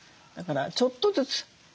だからちょっとずつ。